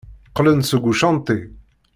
Qqlen-d seg ucanṭi.